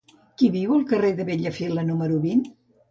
Qui viu al carrer de Bellafila número vint?